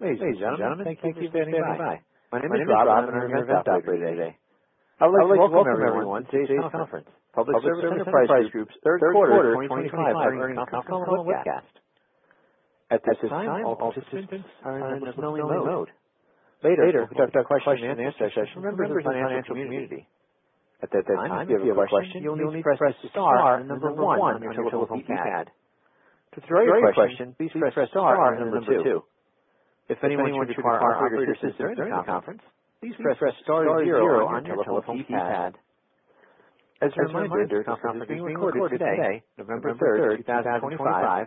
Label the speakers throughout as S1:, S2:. S1: Hey, gentlemen. Thank you for standing by. My name is Rob Ott, and I'm here to talk to you today. I would like to welcome everyone to a conference, Public Service Enterprise Group's third quarter 2025 earnings conference and public webcast. At this time, all participants are in a listen-only mode. Later, we'll discuss questions and answers as members of the financial community. At that time, if you have a question, please press star one on your telephone keypad. If you have a question, please press star one. If anyone wishes to call or request assistance during the conference, please press star zero on your telephone keypad. As a reminder, the conference is being recorded today, November 3rd, 2025,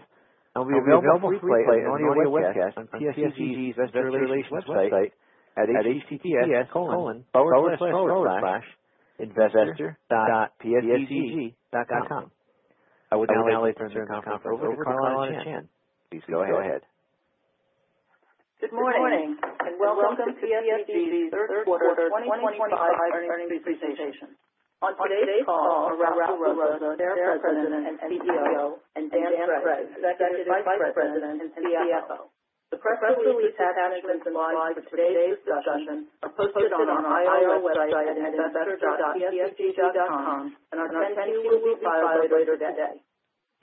S1: and will be available for replay on the audio webcast on PSEG's investor relations website at investor.pseg.com. I would now like to turn the conference over to Carlotta Chan. Please go ahead.
S2: Good morning and welcome to PSEG's third quarter 2025 earnings presentation. On today's call, we'll talk about Ralph LaRossa, their President and CEO, and Daniel Cregg, Executive Vice President and CFO. The press release attachments provided for today's discussion are posted on our IR website at investor.pseg.com, and our 10-Qs will be filed later that day.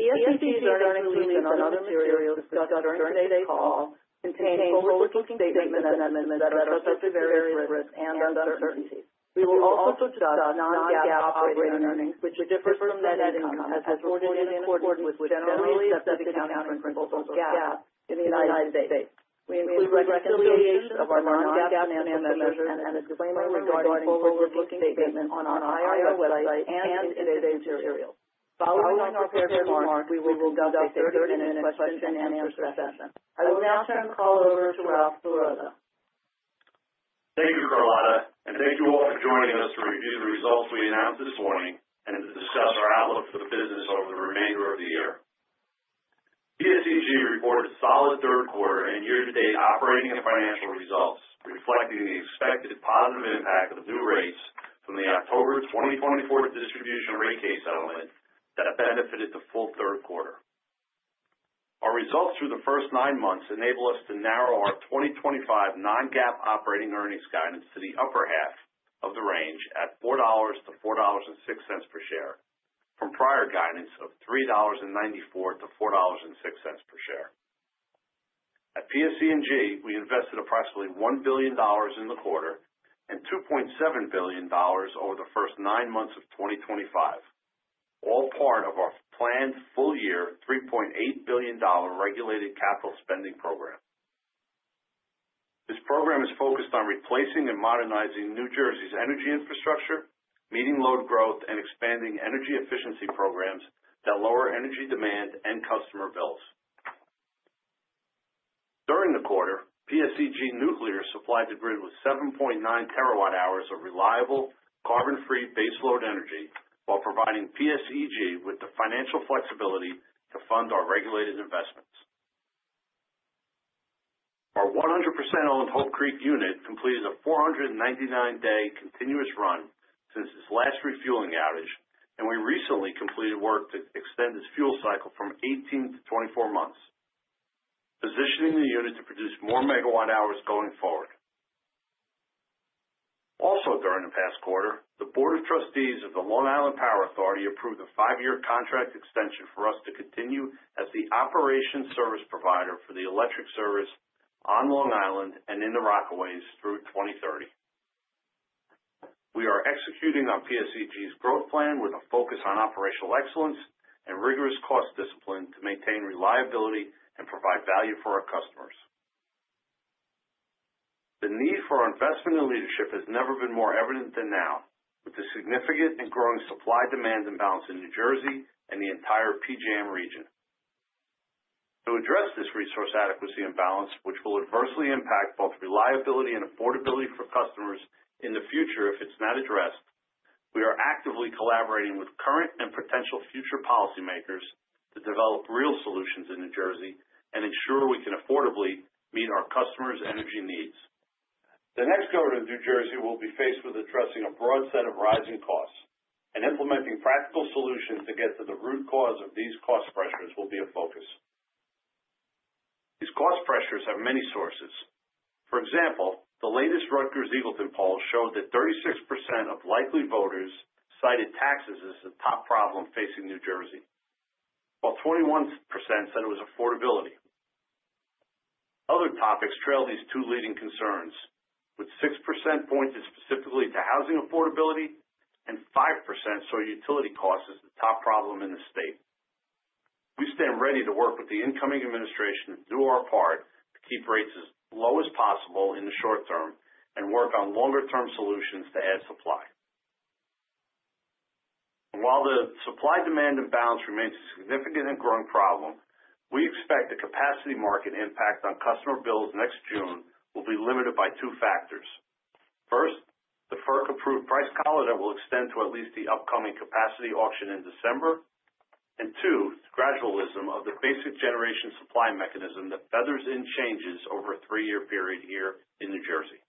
S2: PSEG's earnings release and other materials discussed during today's call contain forward-looking statements and information that address various risks and uncertainties. We will also discuss non-GAAP operating earnings, which differs from net income as reported in reports with generally accepted accounting principles or GAAP in the United States. We include a reconciliation of our non-GAAP information and a disclaimer regarding forward-looking statements on our IR website and in today's material. Following our prepared remarks, we will conduct a 30-minute question-and-answer session. I will now turn the call over to Ralph LaRossa.
S3: Thank you, Carlotta, and thank you all for joining us to review the results we announced this morning and to discuss our outlook for the business over the remainder of the year. PSEG reported a solid third quarter and year-to-date operating and financial results, reflecting the expected positive impact of new rates from the October 2024 distribution rate case settlement that benefited the full third quarter. Our results through the first nine months enable us to narrow our 2025 non-GAAP operating earnings guidance to the upper half of the range at $4-$4.06 per share from prior guidance of $3.94-$4.06 per share. At PSEG, we invested approximately $1 billion in the quarter and $2.7 billion over the first nine months of 2025, all part of our planned full-year $3.8 billion regulated capital spending program. This program is focused on replacing and modernizing New Jersey's energy infrastructure, meeting load growth, and expanding energy efficiency programs that lower energy demand and customer bills. During the quarter, PSEG Nuclear supplied the grid with 7.9 TWh of reliable, carbon-free baseload energy while providing PSEG with the financial flexibility to fund our regulated investments. Our 100% owned Hope Creek unit completed a 499-day continuous run since its last refueling outage, and we recently completed work to extend its fuel cycle from 18 to 24 months, positioning the unit to produce more megawatt-hours going forward. Also, during the past quarter, the Board of Trustees of the Long Island Power Authority approved a five-year contract extension for us to continue as the operations service provider for the electric service on Long Island and in the Rockaways through 2030. We are executing on PSEG's growth plan with a focus on operational excellence and rigorous cost discipline to maintain reliability and provide value for our customers. The need for investment and leadership has never been more evident than now, with the significant and growing supply-demand imbalance in New Jersey and the entire PJM region. To address this resource adequacy imbalance, which will adversely impact both reliability and affordability for customers in the future if it's not addressed, we are actively collaborating with current and potential future policymakers to develop real solutions in New Jersey and ensure we can affordably meet our customers' energy needs. The next governor of New Jersey will be faced with addressing a broad set of rising costs, and implementing practical solutions to get to the root cause of these cost pressures will be a focus. These cost pressures have many sources. For example, the latest Rutgers-Eagleton poll showed that 36% of likely voters cited taxes as the top problem facing New Jersey, while 21% said it was affordability. Other topics trail these two leading concerns, with 6% pointing specifically to housing affordability and 5% saying utility costs are the top problem in the state. We stand ready to work with the incoming administration to do our part to keep rates as low as possible in the short term and work on longer-term solutions to add supply. While the supply-demand imbalance remains a significant and growing problem, we expect the capacity market impact on customer bills next June will be limited by two factors. First, the FERC-approved price collar that will extend to at least the upcoming capacity auction in December, and two, the gradualism of the Basic Generation Supply mechanism that feathers in changes over a three-year period here in New Jersey.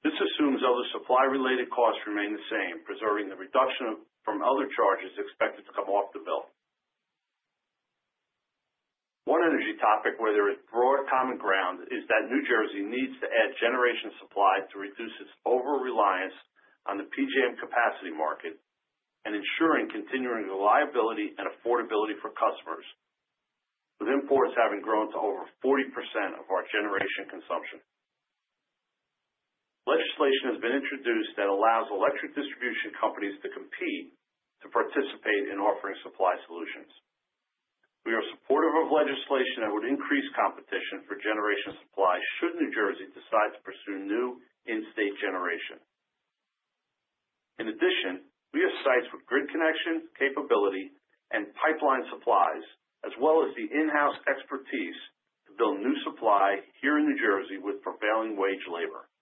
S3: This assumes other supply-related costs remain the same, preserving the reduction from other charges expected to come off the bill. One energy topic where there is broad common ground is that New Jersey needs to add generation supply to reduce its over-reliance on the PJM capacity market and ensuring continuing reliability and affordability for customers, with imports having grown to over 40% of our generation consumption. Legislation has been introduced that allows electric distribution companies to compete to participate in offering supply solutions. We are supportive of legislation that would increase competition for generation supply should New Jersey decide to pursue new in-state generation. In addition, we have sites with grid connection, capability, and pipeline supplies, as well as the in-house expertise to build new supply here in New Jersey with prevailing wage labor.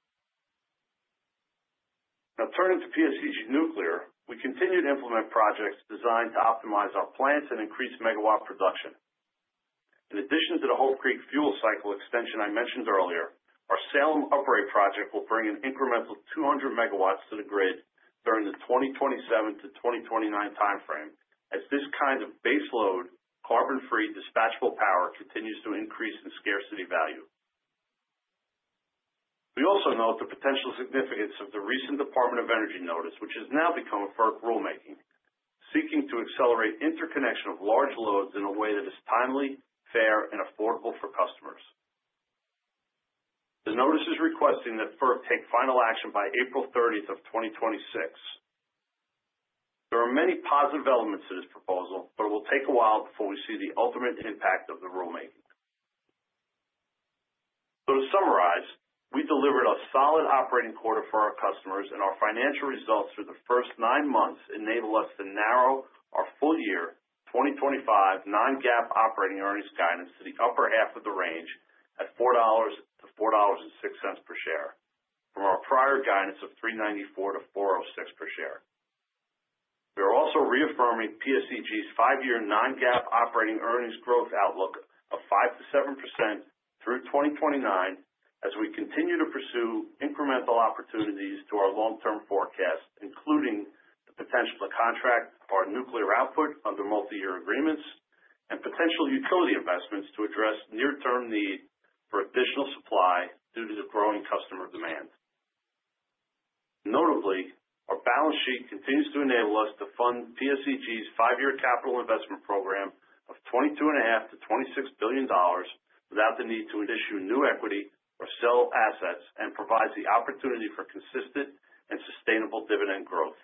S3: Now, turning to PSEG Nuclear, we continue to implement projects designed to optimize our plants and increase megawatt production. In addition to the Hope Creek fuel cycle extension I mentioned earlier, our Salem uprate project will bring an incremental 200 MW to the grid during the 2027 to 2029 timeframe, as this kind of baseload carbon-free dispatchable power continues to increase in scarcity value. We also note the potential significance of the recent Department of Energy notice, which has now become a FERC rulemaking, seeking to accelerate interconnection of large loads in a way that is timely, fair, and affordable for customers. The notice is requesting that FERC take final action by April 30th of 2026. There are many positive elements to this proposal, but it will take a while before we see the ultimate impact of the rulemaking. So, to summarize, we delivered a solid operating quarter for our customers, and our financial results through the first nine months enable us to narrow our full-year 2025 Non-GAAP operating earnings guidance to the upper half of the range at $4-$4.06 per share from our prior guidance of $3.94-$4.06 per share. We are also reaffirming PSEG's five-year Non-GAAP operating earnings growth outlook of 5%-7% through 2029, as we continue to pursue incremental opportunities to our long-term forecast, including the potential to contract our nuclear output under multi-year agreements and potential utility investments to address near-term need for additional supply due to the growing customer demand. Notably, our balance sheet continues to enable us to fund PSEG's five-year capital investment program of $22.5-$26 billion without the need to issue new equity or sell assets and provides the opportunity for consistent and sustainable dividend growth.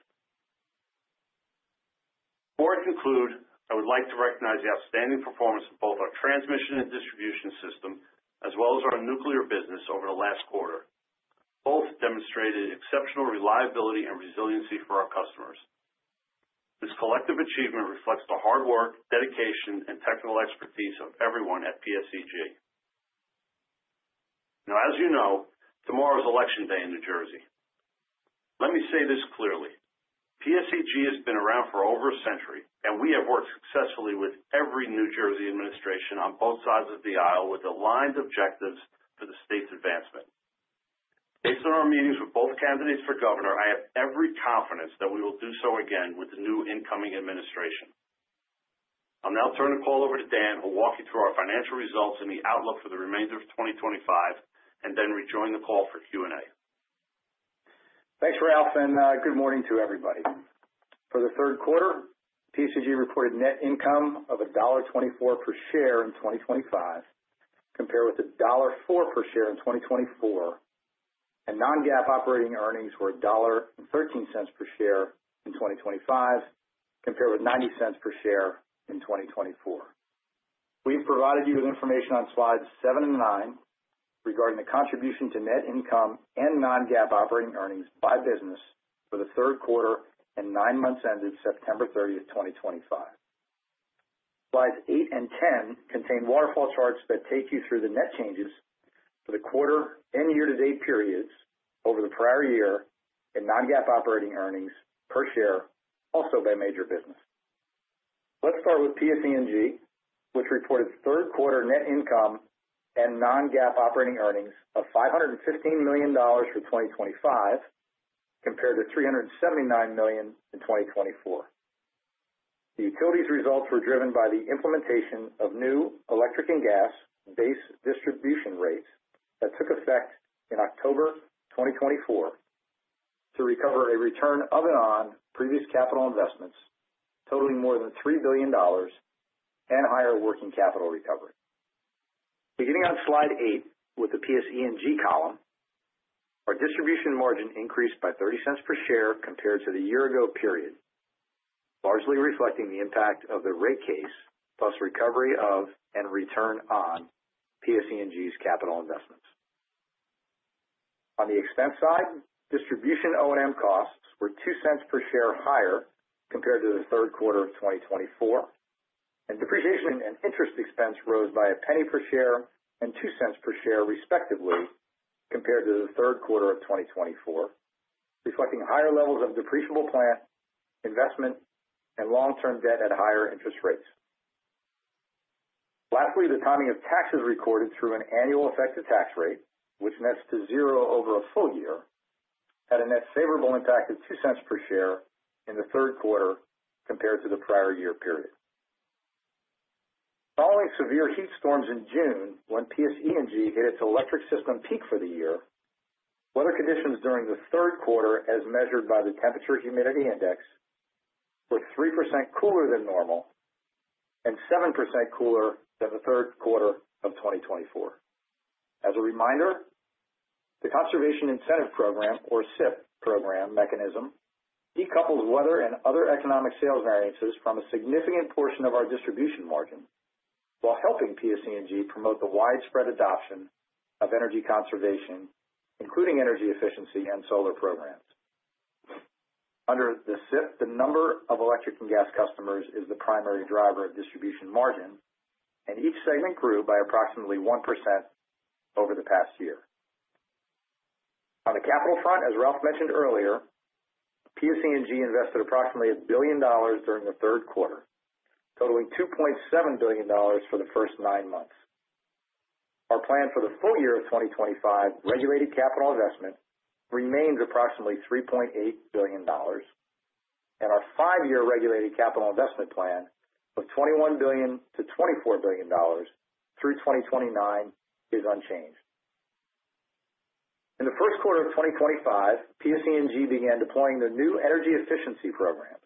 S3: Before I conclude, I would like to recognize the outstanding performance of both our transmission and distribution system, as well as our nuclear business over the last quarter. Both demonstrated exceptional reliability and resiliency for our customers. This collective achievement reflects the hard work, dedication, and technical expertise of everyone at PSEG. Now, as you know, tomorrow is Election Day in New Jersey. Let me say this clearly: PSEG has been around for over a century, and we have worked successfully with every New Jersey administration on both sides of the aisle with aligned objectives for the state's advancement. Based on our meetings with both candidates for governor, I have every confidence that we will do so again with the new incoming administration. I'll now turn the call over to Dan, who will walk you through our financial results and the outlook for the remainder of 2025, and then rejoin the call for Q&A.
S4: Thanks, Ralph, and good morning to everybody. For the third quarter, PSEG reported net income of $1.24 per share in 2025, compared with $1.04 per share in 2024, and non-GAAP operating earnings were $1.13 per share in 2025, compared with $0.90 per share in 2024. We've provided you with information on slides 7 and 9 regarding the contribution to net income and non-GAAP operating earnings by business for the third quarter and nine months ended September 30th, 2025. Slides 8 and 10 contain waterfall charts that take you through the net changes for the quarter and year-to-date periods over the prior year in non-GAAP operating earnings per share, also by major business. Let's start with PSEG, which reported third quarter net income and non-GAAP operating earnings of $515 million for 2025, compared to $379 million in 2024. The utilities results were driven by the implementation of new electric and gas base distribution rates that took effect in October 2024 to recover a return of and on previous capital investments totaling more than $3 billion and higher working capital recovery. Beginning on slide 8 with the PSEG column, our distribution margin increased by $0.30 per share compared to the year-ago period, largely reflecting the impact of the rate case plus recovery of and return on PSEG's capital investments. On the expense side, distribution O&M costs were $0.02 per share higher compared to the third quarter of 2024, and depreciation and interest expense rose by $0.01 per share and $0.02 per share, respectively, compared to the third quarter of 2024, reflecting higher levels of depreciable plant investment and long-term debt at higher interest rates. Lastly, the timing of taxes recorded through an annual effective tax rate, which nets to zero over a full year, had a net favorable impact of $0.02 per share in the third quarter compared to the prior year period. Following severe heat storms in June, when PSEG hit its electric system peak for the year, weather conditions during the third quarter, as measured by the Temperature Humidity Index, were 3% cooler than normal and 7% cooler than the third quarter of 2024. As a reminder, the Conservation Incentive Program, or CIP program mechanism, decouples weather and other economic sales variances from a significant portion of our distribution margin while helping PSEG promote the widespread adoption of energy conservation, including energy efficiency and solar programs. Under the CIP, the number of electric and gas customers is the primary driver of distribution margin, and each segment grew by approximately 1% over the past year. On the capital front, as Ralph mentioned earlier, PSEG invested approximately $1 billion during the third quarter, totaling $2.7 billion for the first nine months. Our plan for the full year of 2025 regulated capital investment remains approximately $3.8 billion, and our five-year regulated capital investment plan of $21 billion to $24 billion through 2029 is unchanged. In the first quarter of 2025, PSEG began deploying their new energy efficiency programs,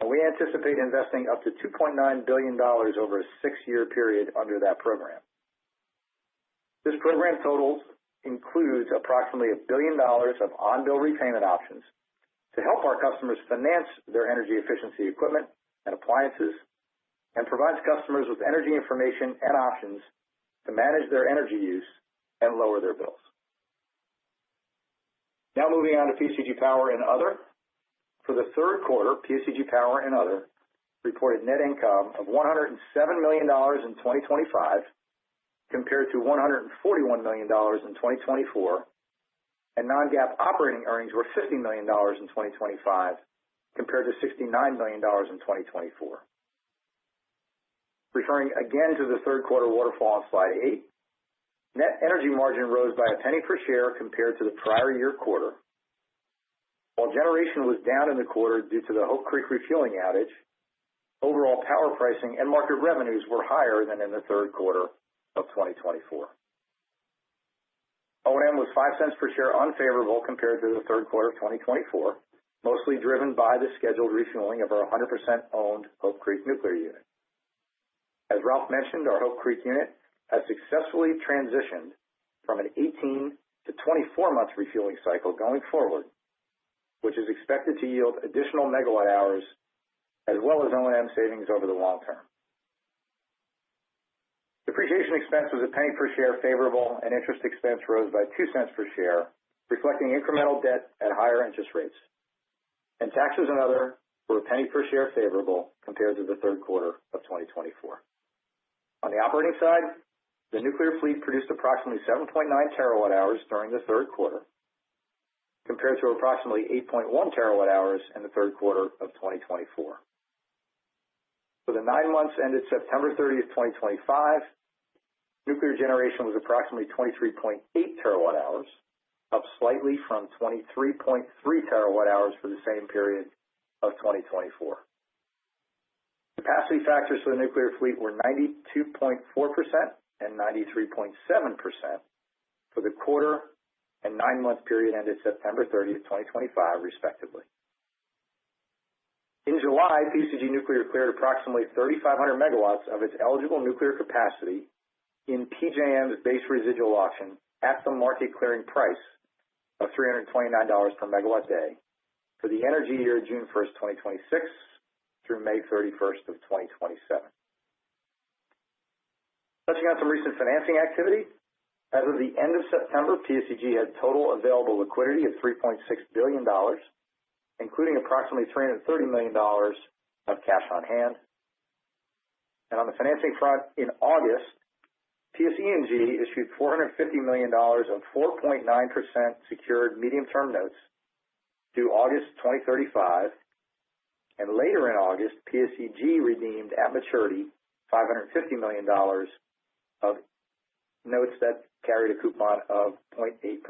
S4: and we anticipate investing up to $2.9 billion over a six-year period under that program. This program total includes approximately $1 billion of on-bill repayment options to help our customers finance their energy efficiency equipment and appliances and provides customers with energy information and options to manage their energy use and lower their bills. Now, moving on to PSEG Power and Other. For the third quarter, PSEG Power and Other reported net income of $107 million in 2025, compared to $141 million in 2024, and non-GAAP operating earnings were $50 million in 2025, compared to $69 million in 2024. Referring again to the third quarter waterfall on slide 8, net energy margin rose by $0.01 per share compared to the prior year quarter. While generation was down in the quarter due to the Hope Creek refueling outage, overall power pricing and market revenues were higher than in the third quarter of 2024. O&M was $0.05 per share unfavorable compared to the third quarter of 2024, mostly driven by the scheduled refueling of our 100% owned Hope Creek nuclear unit. As Ralph mentioned, our Hope Creek unit has successfully transitioned from an 18- to 24-month refueling cycle going forward, which is expected to yield additional megawatt hours as well as O&M savings over the long term. Depreciation expense was $0.01 per share favorable, and interest expense rose by $0.02 per share, reflecting incremental debt at higher interest rates, and taxes and other were $0.01 per share favorable compared to the third quarter of 2024. On the operating side, the nuclear fleet produced approximately 7.9 TWh during the third quarter, compared to approximately 8.1 TWh in the third quarter of 2024. For the nine months ended September 30th, 2025, nuclear generation was approximately 23.8 TWh, up slightly from 23.3 TWh for the same period of 2024. Capacity factors for the nuclear fleet were 92.4% and 93.7% for the quarter and nine-month period ended September 30th, 2025, respectively. In July, PSEG Nuclear cleared approximately 3,500 megawatts of its eligible nuclear capacity in PJM's Base Residual Auction at the market clearing price of $329 per megawatt day for the energy year of June 1st, 2026, through May 31st of 2027. Touching on some recent financing activity, as of the end of September, PSEG had total available liquidity of $3.6 billion, including approximately $330 million of cash on hand. On the financing front, in August, PSEG issued $450 million of 4.9% secured medium-term notes due August 2035, and later in August, PSEG redeemed at maturity $550 million of notes that carried a coupon of 0.8%.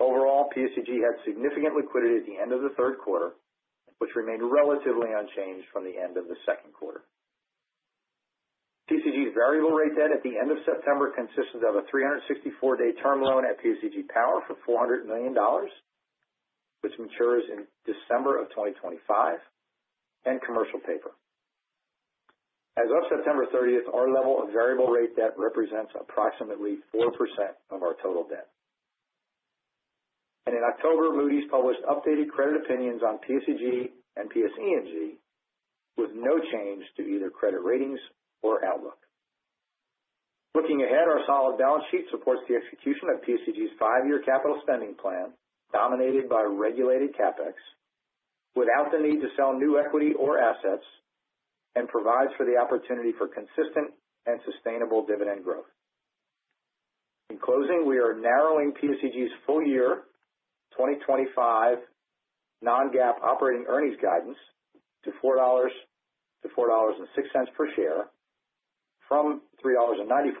S4: Overall, PSEG had significant liquidity at the end of the third quarter, which remained relatively unchanged from the end of the second quarter. PSEG's variable rate debt at the end of September consisted of a 364-day term loan at PSEG Power for $400 million, which matures in December of 2025, and commercial paper. As of September 30th, our level of variable rate debt represents approximately 4% of our total debt. In October, Moody's published updated credit opinions on PSEG and PSEG with no change to either credit ratings or outlook. Looking ahead, our solid balance sheet supports the execution of PSEG's five-year capital spending plan, dominated by regulated CapEx, without the need to sell new equity or assets, and provides for the opportunity for consistent and sustainable dividend growth. In closing, we are narrowing PSEG's full-year 2025 non-GAAP operating earnings guidance to $4-$4.06 per share from $3.94-$4.06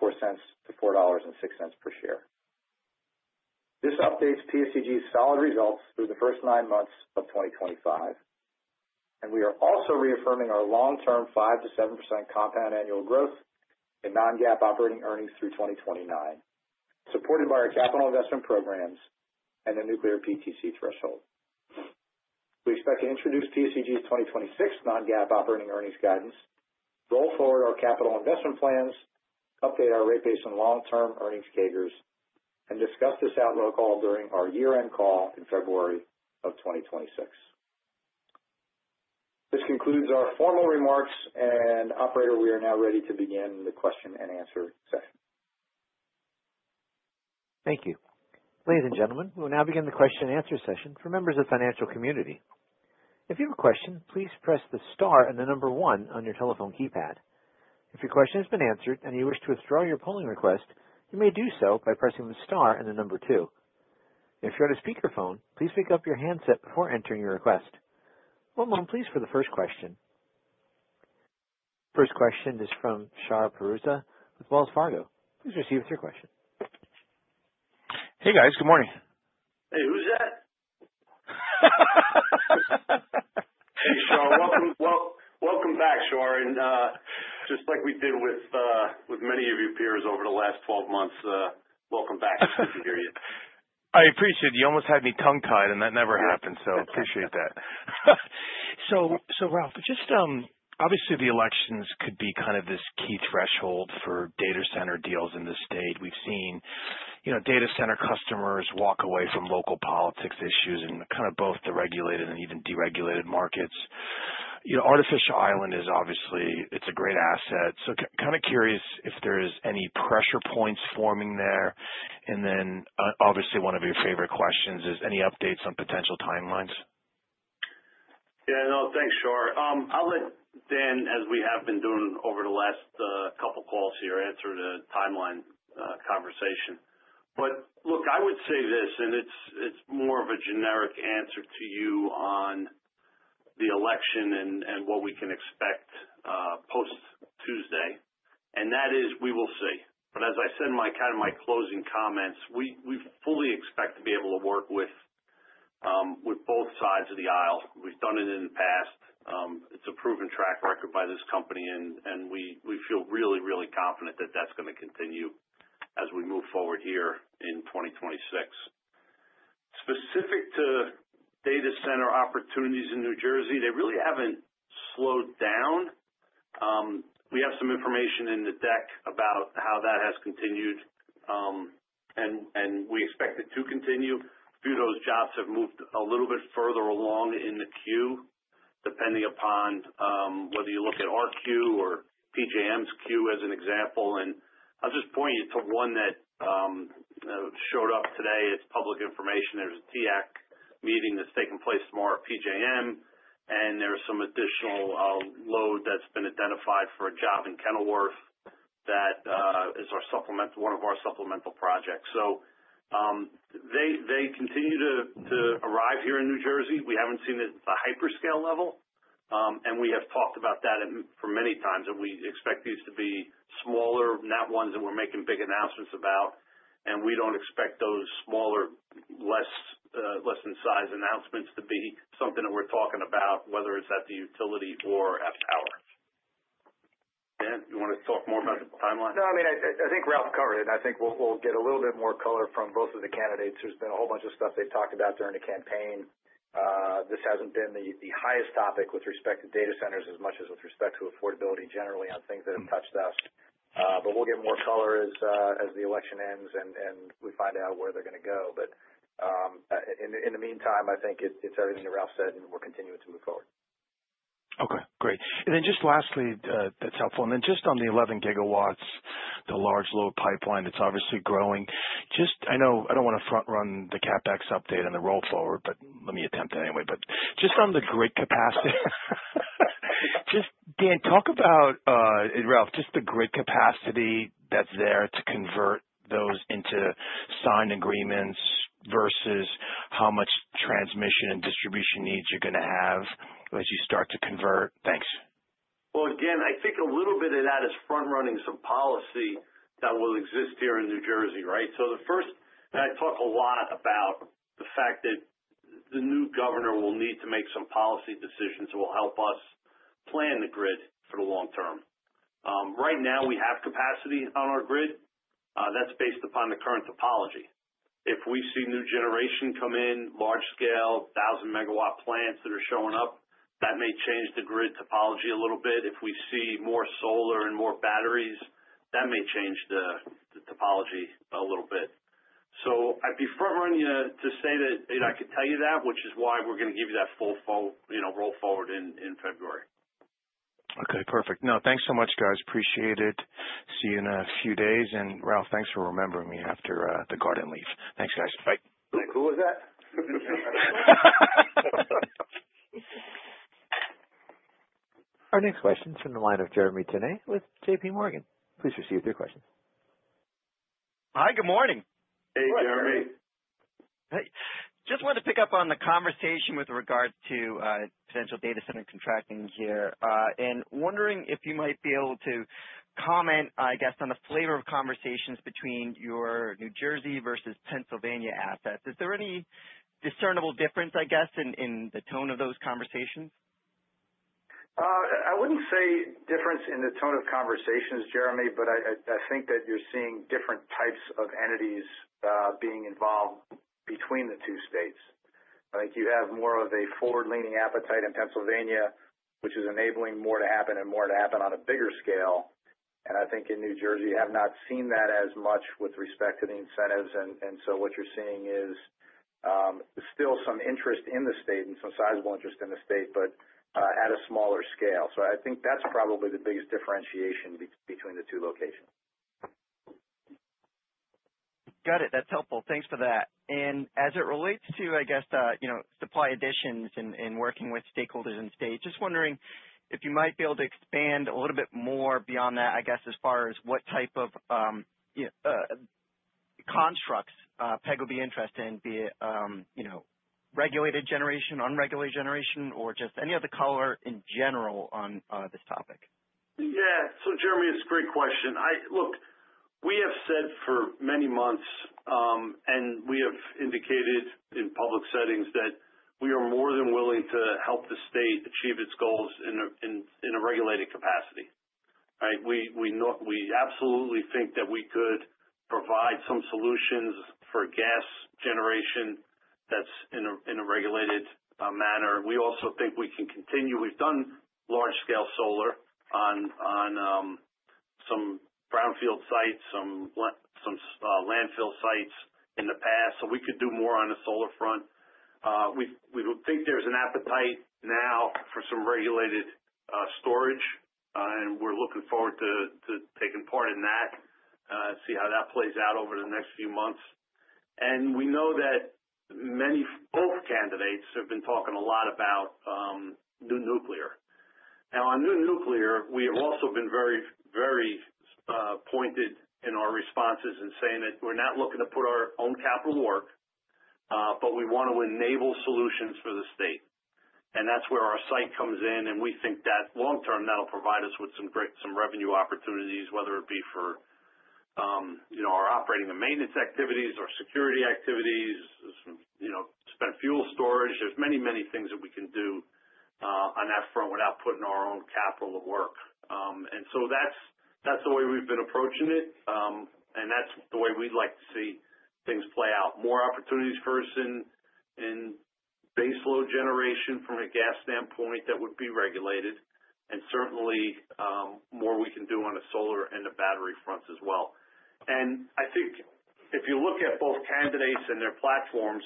S4: per share. This updates PSEG's solid results through the first nine months of 2025, and we are also reaffirming our long-term 5%-7% compound annual growth in non-GAAP operating earnings through 2029, supported by our capital investment programs and the nuclear PTC threshold. We expect to introduce PSEG's 2026 non-GAAP operating earnings guidance, roll forward our capital investment plans, update our rate base and long-term earnings CAGRs, and discuss this outlook all during our year-end call in February of 2026. This concludes our formal remarks, and, Operator, we are now ready to begin the question-and-answer session.
S1: Thank you. Ladies and gentlemen, we will now begin the question-and-answer session for members of the financial community. If you have a question, please press the star and the number one on your telephone keypad. If your question has been answered and you wish to withdraw your polling request, you may do so by pressing the star and the number two. If you're on a speakerphone, please pick up your handset before entering your request. One moment, please, for the first question. First question is from Shar Pourreza with Wells Fargo. Please proceed with your question.
S5: Hey, guys. Good morning.
S3: Hey, who's that? Hey, Shar. Welcome back, Shar. And just like we did with many of your peers over the last 12 months, welcome back. It's good to hear you.
S5: I appreciate it. You almost had me tongue-tied, and that never happened, so I appreciate that. So, Ralph, just obviously, the elections could be kind of this key threshold for data center deals in the state. We've seen data center customers walk away from local politics issues in kind of both the regulated and even deregulated markets. Artificial Island is obviously a great asset. So kind of curious if there's any pressure points forming there. And then, obviously, one of your favorite questions is, any updates on potential timelines?
S3: Yeah. No, thanks, Shar. I'll let Dan, as we have been doing over the last couple of calls here, answer the timeline conversation. But look, I would say this, and it's more of a generic answer to you on the election and what we can expect post-Tuesday, and that is we will see. But as I said in kind of my closing comments, we fully expect to be able to work with both sides of the aisle. We've done it in the past. It's a proven track record by this company, and we feel really, really confident that that's going to continue as we move forward here in 2026. Specific to data center opportunities in New Jersey, they really haven't slowed down. We have some information in the deck about how that has continued, and we expect it to continue. A few of those jobs have moved a little bit further along in the queue, depending upon whether you look at our queue or PJM's queue as an example. And I'll just point you to one that showed up today. It's public information. There's a TEAC meeting that's taking place tomorrow at PJM, and there's some additional load that's been identified for a job in Kenilworth that is one of our supplemental projects. So they continue to arrive here in New Jersey. We haven't seen it at the hyperscale level, and we have talked about that for many times that we expect these to be smaller, not ones that we're making big announcements about. And we don't expect those smaller, less in size announcements to be something that we're talking about, whether it's at the utility or at power. Dan, you want to talk more about the timeline?
S4: No, I mean, I think Ralph covered it. I think we'll get a little bit more color from both of the candidates. There's been a whole bunch of stuff they've talked about during the campaign. This hasn't been the highest topic with respect to data centers as much as with respect to affordability generally on things that have touched us. But we'll get more color as the election ends and we find out where they're going to go. But in the meantime, I think it's everything that Ralph said, and we're continuing to move forward.
S5: Okay. Great. And then just lastly, that's helpful. And then just on the 11 GW, the large load pipeline, it's obviously growing. I don't want to front-run the CapEx update and the roll forward, but let me attempt it anyway. But just on the grid capacity, just, Dan, talk about, Ralph, just the grid capacity that's there to convert those into signed agreements versus how much transmission and distribution needs you're going to have as you start to convert. Thanks.
S3: Again, I think a little bit of that is front-running some policy that will exist here in New Jersey, right? So the first, and I talk a lot about the fact that the new governor will need to make some policy decisions that will help us plan the grid for the long term. Right now, we have capacity on our grid. That's based upon the current topology. If we see new generation come in, large-scale, 1,000 MW plants that are showing up, that may change the grid topology a little bit. If we see more solar and more batteries, that may change the topology a little bit. So I'd be front-running to say that I could tell you that, which is why we're going to give you that full roll forward in February.
S5: Okay. Perfect. No, thanks so much, guys. Appreciate it. See you in a few days, and Ralph, thanks for remembering me after the garden leave. Thanks, guys. Bye.
S3: Thanks. Who was that?
S1: Our next question is from the line of Jeremy Tonet with JPMorgan. Please proceed with your question.
S6: Hi. Good morning.
S3: Hey, Jeremy.
S6: Hey. Just wanted to pick up on the conversation with regard to potential data center contracting here and wondering if you might be able to comment, I guess, on the flavor of conversations between your New Jersey versus Pennsylvania assets. Is there any discernible difference, I guess, in the tone of those conversations?
S3: I wouldn't say difference in the tone of conversations, Jeremy, but I think that you're seeing different types of entities being involved between the two states. I think you have more of a forward-leaning appetite in Pennsylvania, which is enabling more to happen and more to happen on a bigger scale. And I think in New Jersey, you have not seen that as much with respect to the incentives. And so what you're seeing is still some interest in the state and some sizable interest in the state, but at a smaller scale. So I think that's probably the biggest differentiation between the two locations.
S6: Got it. That's helpful. Thanks for that. And as it relates to, I guess, supply additions and working with stakeholders in-state, just wondering if you might be able to expand a little bit more beyond that, I guess, as far as what type of constructs PSEG will be interested in, be it regulated generation, unregulated generation, or just any other color in general on this topic.
S3: Yeah. So, Jeremy, it's a great question. Look, we have said for many months, and we have indicated in public settings that we are more than willing to help the state achieve its goals in a regulated capacity, right? We absolutely think that we could provide some solutions for gas generation that's in a regulated manner. We also think we can continue. We've done large-scale solar on some brownfield sites, some landfill sites in the past, so we could do more on the solar front. We think there's an appetite now for some regulated storage, and we're looking forward to taking part in that, see how that plays out over the next few months. And we know that both candidates have been talking a lot about new nuclear. Now, on new nuclear, we have also been very pointed in our responses in saying that we're not looking to put our own capital to work, but we want to enable solutions for the state. And that's where our site comes in, and we think that long term, that'll provide us with some revenue opportunities, whether it be for our operating and maintenance activities, our security activities, spent fuel storage. There's many, many things that we can do on that front without putting our own capital to work. And so that's the way we've been approaching it, and that's the way we'd like to see things play out. More opportunities first in base load generation from a gas standpoint that would be regulated, and certainly more we can do on a solar and a battery front as well. I think if you look at both candidates and their platforms,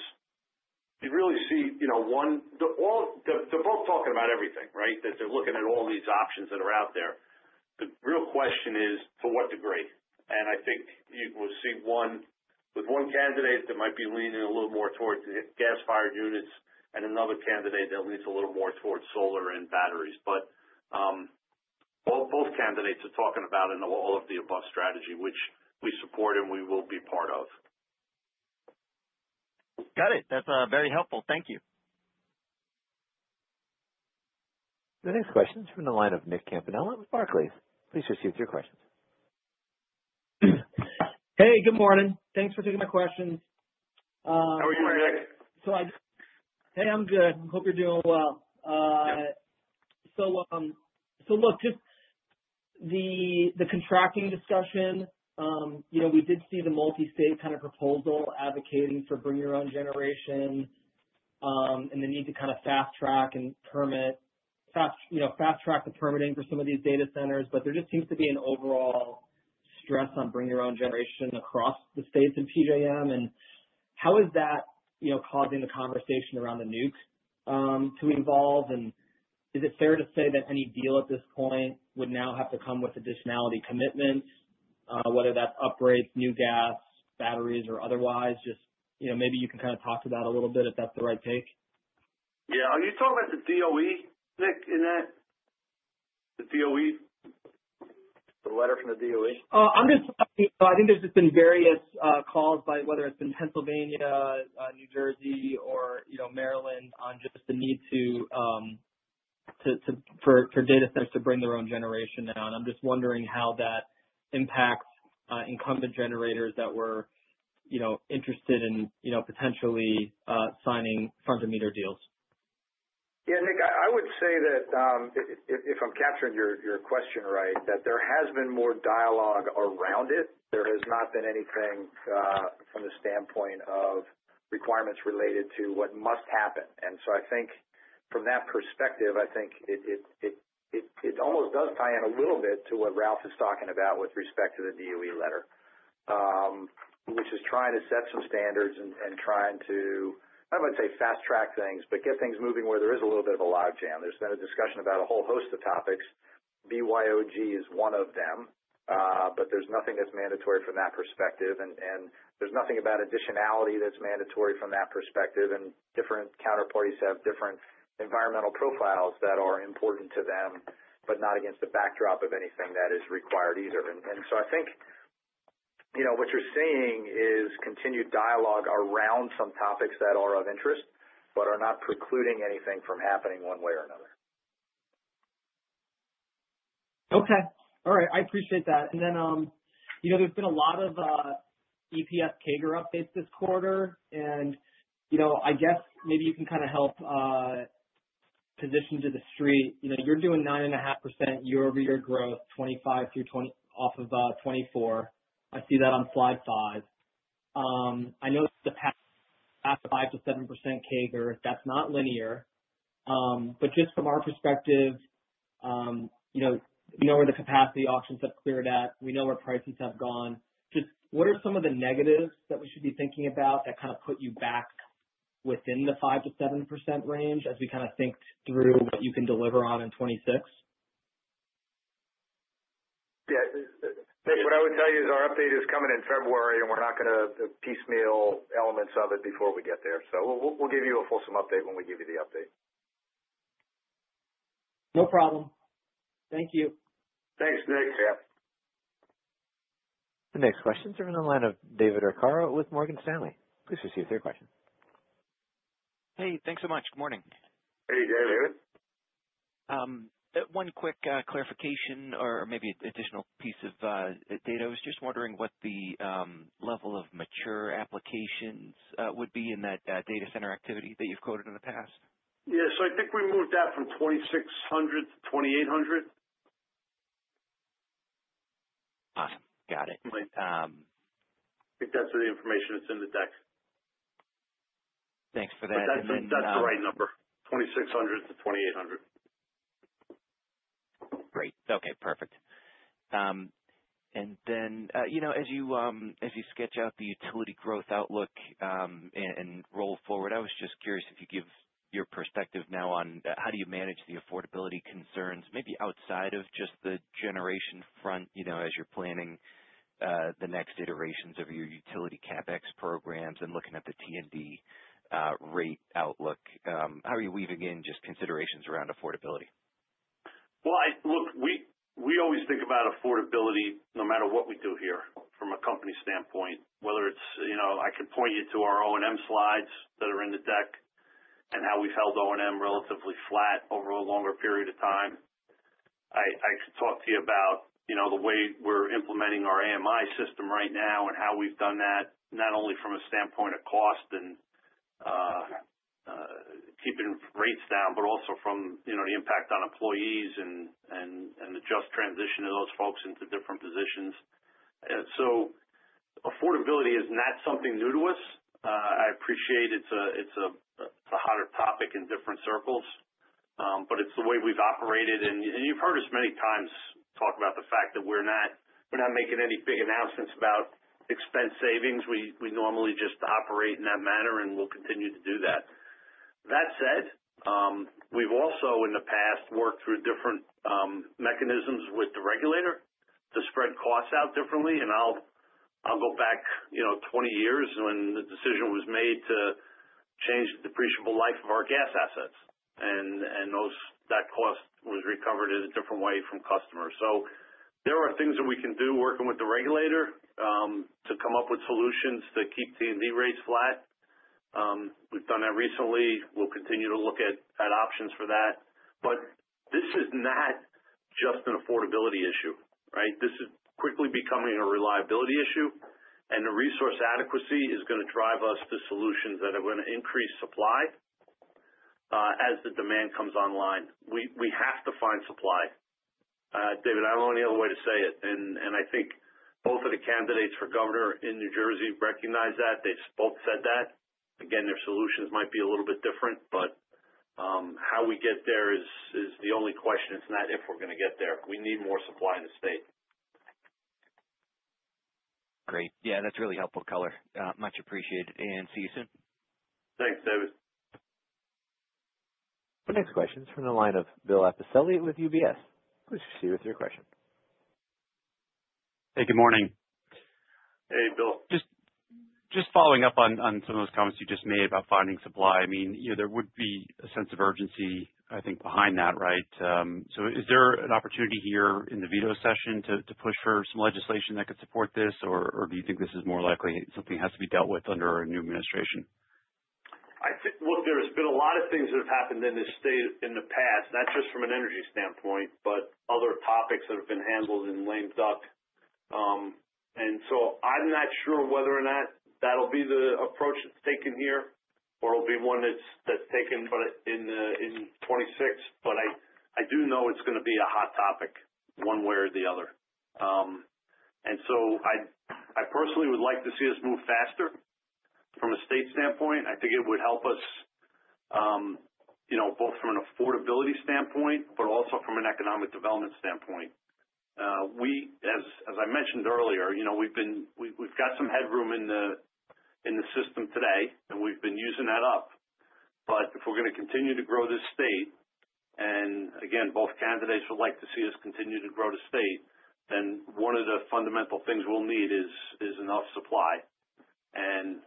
S3: you really see one they're both talking about everything, right? That they're looking at all these options that are out there. The real question is to what degree. I think you will see one with one candidate that might be leaning a little more towards gas-fired units and another candidate that leans a little more towards solar and batteries. But both candidates are talking about an all-of-the-above strategy, which we support and we will be part of.
S6: Got it. That's very helpful. Thank you.
S1: The next question is from the line of Nick Campanella with Barclays. Please proceed with your questions.
S7: Hey, good morning. Thanks for taking my questions.
S3: How are you, Nick?
S7: Hey, I'm good. I hope you're doing well. So, look, just the contracting discussion. We did see the multi-state kind of proposal advocating for bring-your-own-generation and the need to kind of fast-track the permitting for some of these data centers. There just seems to be an overall stress on bring-your-own-generation across the states and PJM. How is that causing the conversation around the nuke to evolve? Is it fair to say that any deal at this point would now have to come with additionality commitments, whether that's upgrades, new gas, batteries, or otherwise? Just maybe you can kind of talk to that a little bit if that's the right take.
S4: Yeah. Are you talking about the DOE, Nick, in that? The DOE? The letter from the DOE?
S7: Oh, I'm just wondering. I think there's just been various calls, whether it's been Pennsylvania, New Jersey, or Maryland, on just the need for data centers to bring their own generation now, and I'm just wondering how that impacts incumbent generators that were interested in potentially signing front-of-meter deals.
S4: Yeah, Nick, I would say that if I'm capturing your question right, that there has been more dialogue around it. There has not been anything from the standpoint of requirements related to what must happen. And so I think from that perspective, I think it almost does tie in a little bit to what Ralph is talking about with respect to the DOE letter, which is trying to set some standards and trying to, I wouldn't say fast-track things, but get things moving where there is a little bit of a log jam. There's been a discussion about a whole host of topics. BYOG is one of them, but there's nothing that's mandatory from that perspective. And there's nothing about additionality that's mandatory from that perspective. And different counterparties have different environmental profiles that are important to them, but not against the backdrop of anything that is required either. And so I think what you're saying is continued dialogue around some topics that are of interest, but are not precluding anything from happening one way or another.
S7: Okay. All right. I appreciate that. And then there's been a lot of EPS CAGR updates this quarter. And I guess maybe you can kind of help position to the street. You're doing 9.5% year-over-year growth, 2025 through 2030 off of 2024. I see that on slide five. I know the past 5%-7% CAGR, that's not linear. But just from our perspective, we know where the capacity auctions have cleared at. We know where prices have gone. Just what are some of the negatives that we should be thinking about that kind of put you back within the 5%-7% range as we kind of think through what you can deliver on in 2026?
S4: Yeah. What I would tell you is our update is coming in February, and we're not going to piecemeal elements of it before we get there. So we'll give you a fulsome update when we give you the update.
S7: No problem. Thank you.
S3: Thanks, Nick. Yeah.
S1: The next question is from the line of David Arcaro with Morgan Stanley. Please proceed with your question.
S8: Hey, thanks so much. Good morning.
S3: Hey, David.
S8: One quick clarification or maybe additional piece of data. I was just wondering what the level of mature applications would be in that data center activity that you've quoted in the past.
S3: Yeah. So I think we moved that from 2,600 to 2,800.
S8: Awesome. Got it.
S4: I think that's the information that's in the deck.
S8: Thanks for that.
S4: That's the right number, 2,600-2,800.
S8: Great. Okay. Perfect. And then as you sketch out the utility growth outlook and roll forward, I was just curious if you give your perspective now on how do you manage the affordability concerns maybe outside of just the generation front as you're planning the next iterations of your utility CapEx programs and looking at the T&D rate outlook? How are you weaving in just considerations around affordability?
S3: Look, we always think about affordability no matter what we do here from a company standpoint. Whether it's, I can point you to our O&M slides that are in the deck and how we've held O&M relatively flat over a longer period of time. I can talk to you about the way we're implementing our AMI system right now and how we've done that, not only from a standpoint of cost and keeping rates down, but also from the impact on employees and the just transition of those folks into different positions. Affordability is not something new to us. I appreciate it's a hotter topic in different circles, but it's the way we've operated. You've heard us many times talk about the fact that we're not making any big announcements about expense savings. We normally just operate in that manner, and we'll continue to do that. That said, we've also in the past worked through different mechanisms with the regulator to spread costs out differently. And I'll go back 20 years when the decision was made to change the depreciable life of our gas assets. And that cost was recovered in a different way from customers. So there are things that we can do working with the regulator to come up with solutions to keep T&D rates flat. We've done that recently. We'll continue to look at options for that. But this is not just an affordability issue, right? This is quickly becoming a reliability issue. And the resource adequacy is going to drive us to solutions that are going to increase supply as the demand comes online. We have to find supply. David, I don't know any other way to say it. I think both of the candidates for governor in New Jersey recognize that. They've both said that. Again, their solutions might be a little bit different, but how we get there is the only question. It's not if we're going to get there. We need more supply in the state.
S8: Great. Yeah, that's really helpful color. Much appreciated, and see you soon.
S3: Thanks, David.
S1: The next question is from the line of Bill Appicelli with UBS. Please proceed with your question.
S9: Hey, good morning.
S3: Hey, Bill.
S9: Just following up on some of those comments you just made about finding supply, I mean, there would be a sense of urgency, I think, behind that, right? So is there an opportunity here in the veto session to push for some legislation that could support this, or do you think this is more likely something that has to be dealt with under a new administration?
S3: Look, there's been a lot of things that have happened in this state in the past, not just from an energy standpoint, but other topics that have been handled in lame duck. And so I'm not sure whether or not that'll be the approach that's taken here, or it'll be one that's taken in 2026. But I do know it's going to be a hot topic one way or the other. And so I personally would like to see us move faster from a state standpoint. I think it would help us both from an affordability standpoint, but also from an economic development standpoint. As I mentioned earlier, we've got some headroom in the system today, and we've been using that up. But if we're going to continue to grow this state, and again, both candidates would like to see us continue to grow the state, then one of the fundamental things we'll need is enough supply. And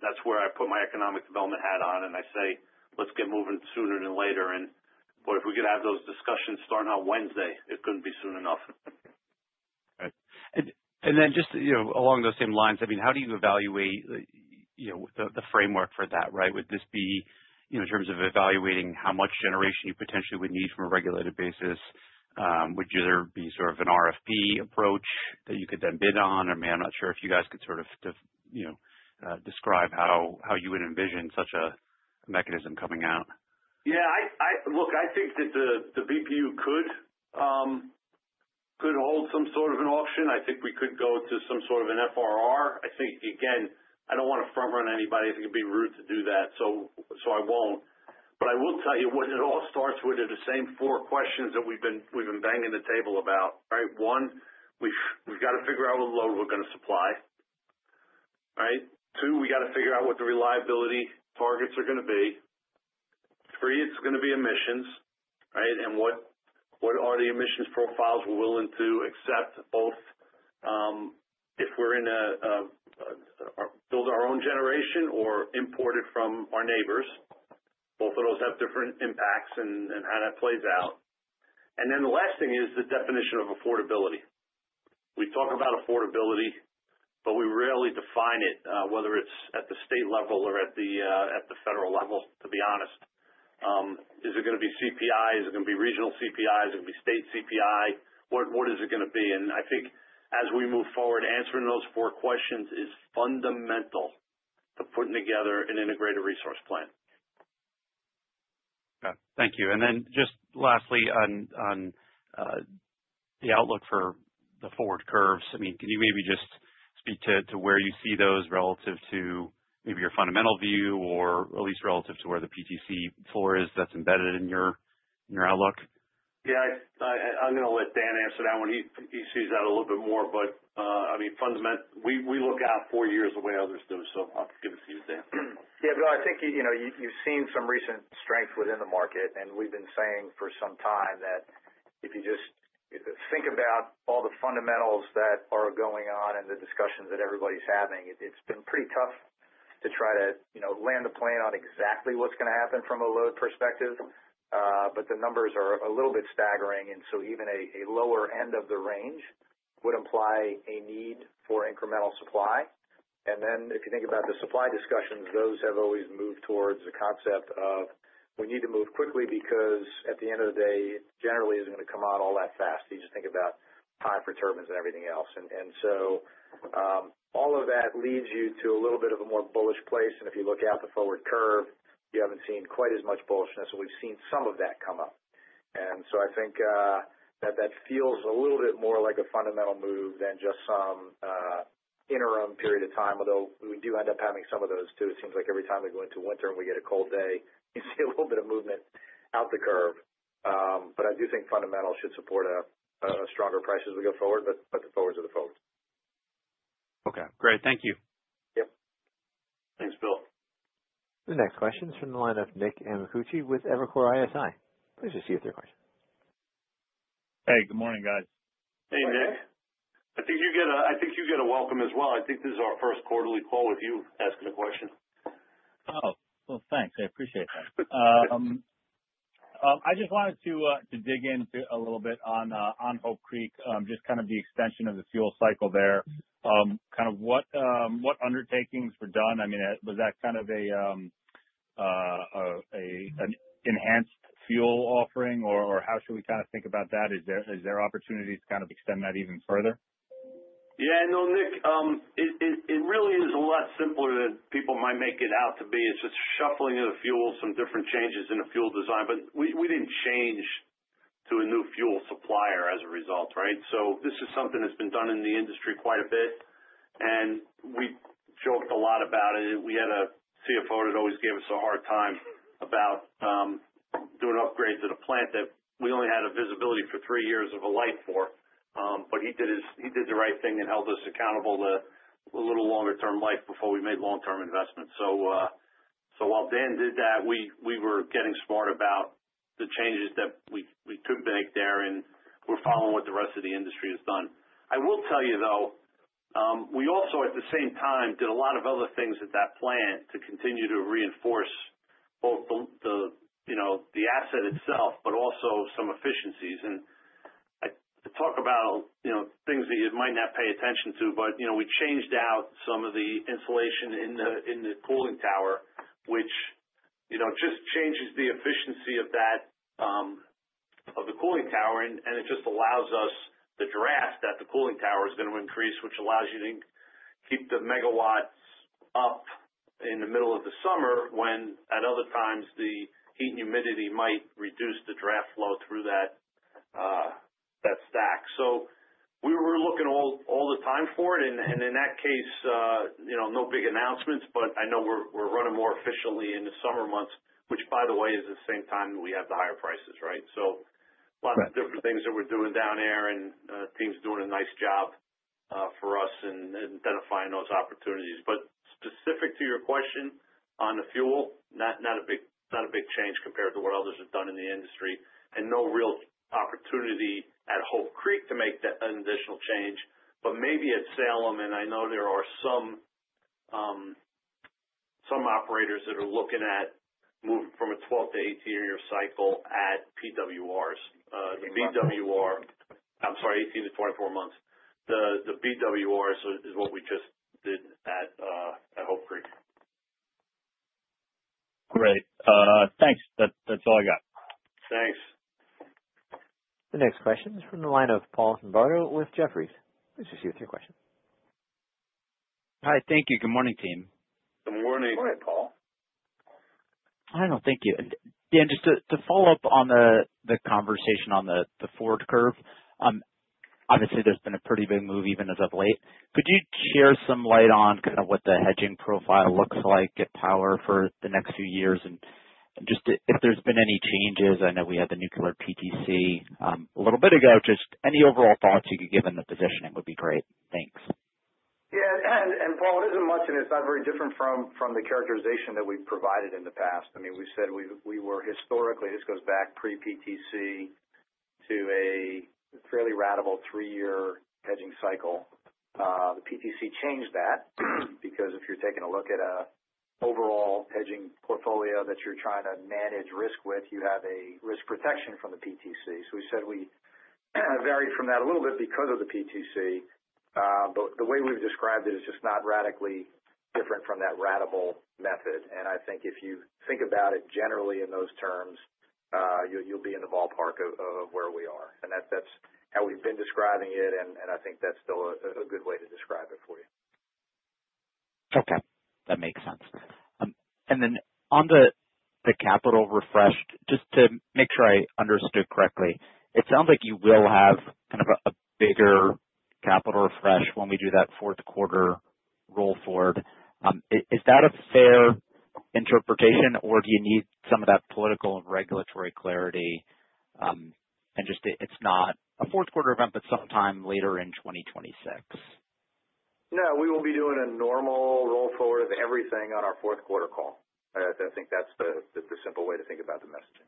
S3: that's where I put my economic development hat on, and I say, "Let's get moving sooner than later." And boy, if we could have those discussions starting on Wednesday, it couldn't be soon enough.
S9: And then just along those same lines, I mean, how do you evaluate the framework for that, right? Would this be in terms of evaluating how much generation you potentially would need from a regulated basis? Would you either be sort of an RFP approach that you could then bid on? I mean, I'm not sure if you guys could sort of describe how you would envision such a mechanism coming out.
S3: Yeah. Look, I think that the BPU could hold some sort of an auction. I think we could go to some sort of an FRR. I think, again, I don't want to front-run anybody. I think it'd be rude to do that, so I won't. But I will tell you what it all starts with are the same four questions that we've been banging the table about, right? One, we've got to figure out what load we're going to supply, right? Two, we got to figure out what the reliability targets are going to be. Three, it's going to be emissions, right? And what are the emissions profiles we're willing to accept both if we're going to build our own generation or import it from our neighbors? Both of those have different impacts and how that plays out. And then the last thing is the definition of affordability. We talk about affordability, but we rarely define it, whether it's at the state level or at the federal level, to be honest. Is it going to be CPI? Is it going to be regional CPI? Is it going to be state CPI? What is it going to be? And I think as we move forward, answering those four questions is fundamental to putting together an integrated resource plan.
S9: Got it. Thank you, and then just lastly, on the outlook for the forward curves, I mean, can you maybe just speak to where you see those relative to maybe your fundamental view, or at least relative to where the PTC floor is that's embedded in your outlook?
S3: Yeah. I'm going to let Dan answer that one. He sees that a little bit more. But I mean, fundamentally, we look out four years the way others do, so I'll give it to you, Dan.
S4: Yeah, Bill, I think you've seen some recent strength within the market. And we've been saying for some time that if you just think about all the fundamentals that are going on and the discussions that everybody's having, it's been pretty tough to try to land a plan on exactly what's going to happen from a load perspective. But the numbers are a little bit staggering. And so even a lower end of the range would imply a need for incremental supply. And then, if you think about the supply discussions, those have always moved towards the concept of we need to move quickly because at the end of the day, it generally isn't going to come out all that fast. You just think about time for turbines and everything else. And so all of that leads you to a little bit of a more bullish place. And if you look at the forward curve, you haven't seen quite as much bullishness. We've seen some of that come up. And so I think that that feels a little bit more like a fundamental move than just some interim period of time. Although we do end up having some of those too. It seems like every time we go into winter and we get a cold day, you see a little bit of movement out the curve. But I do think fundamentals should support a stronger price as we go forward, but the forwards are the forwards.
S9: Okay. Great. Thank you.
S3: Yep. Thanks, Bill.
S1: The next question is from the line of Nick Amicucci with Evercore ISI. Please proceed with your question.
S10: Hey, good morning, guys.
S3: Hey, Nick. I think you get a welcome as well. I think this is our first quarterly call with you asking a question.
S10: Oh, well, thanks. I appreciate that. I just wanted to dig in a little bit on Hope Creek, just kind of the extension of the fuel cycle there. Kind of what undertakings were done? I mean, was that kind of an enhanced fuel offering, or how should we kind of think about that? Is there opportunity to kind of extend that even further?
S3: Yeah. No, Nick, it really is a lot simpler than people might make it out to be. It's just shuffling of the fuels, some different changes in the fuel design. But we didn't change to a new fuel supplier as a result, right? So this is something that's been done in the industry quite a bit. And we joked a lot about it. We had a CFO that always gave us a hard time about doing upgrades at a plant that we only had visibility for three years of life for. But he did the right thing and held us accountable to a little longer-term life before we made long-term investments. So while Dan did that, we were getting smart about the changes that we could make there. And we're following what the rest of the industry has done. I will tell you, though, we also, at the same time, did a lot of other things at that plant to continue to reinforce both the asset itself, but also some efficiencies. And to talk about things that you might not pay attention to, but we changed out some of the insulation in the cooling tower, which just changes the efficiency of the cooling tower. And it just allows us the draft that the cooling tower is going to increase, which allows you to keep the megawatts up in the middle of the summer when, at other times, the heat and humidity might reduce the draft flow through that stack. So we were looking all the time for it. And in that case, no big announcements, but I know we're running more efficiently in the summer months, which, by the way, is the same time we have the higher prices, right? So a lot of different things that we're doing down there. And the team's doing a nice job for us in identifying those opportunities. But specific to your question on the fuel, not a big change compared to what others have done in the industry. And no real opportunity at Hope Creek to make that an additional change. But maybe at Salem, and I know there are some operators that are looking at moving from a 12- to 18-year cycle at PWRs. The BWR, I'm sorry, 18 to 24 months. The BWRs is what we just did at Hope Creek.
S10: Great. Thanks. That's all I got.
S3: Thanks.
S1: The next question is from the line of Paul Zimbardo with Jefferies. Please proceed with your question.
S11: Hi. Thank you. Good morning, team.
S3: Good morning.
S4: Morning, Paul.
S11: Thank you. Dan, just to follow up on the conversation on the forward curve, obviously, there's been a pretty big move even as of late. Could you shed some light on kind of what the hedging profile looks like at power for the next few years? And just if there's been any changes? I know we had the nuclear PTC a little bit ago. Just any overall thoughts you could give on the positioning would be great. Thanks.
S4: Yeah. And Paul, it isn't much and it's not very different from the characterization that we've provided in the past. I mean, we said we were historically. This goes back pre-PTC to a fairly ratable three-year hedging cycle. The PTC changed that because if you're taking a look at an overall hedging portfolio that you're trying to manage risk with, you have a risk protection from the PTC. So we said we varied from that a little bit because of the PTC. But the way we've described it is just not radically different from that ratable method. And I think if you think about it generally in those terms, you'll be in the ballpark of where we are. And that's how we've been describing it. And I think that's still a good way to describe it for you.
S11: Okay. That makes sense. And then on the capital refresh, just to make sure I understood correctly, it sounds like you will have kind of a bigger capital refresh when we do that fourth quarter roll forward. Is that a fair interpretation, or do you need some of that political and regulatory clarity? And just it's not a fourth quarter event, but sometime later in 2026.
S3: No, we will be doing a normal roll forward of everything on our fourth quarter call. I think that's the simple way to think about the message.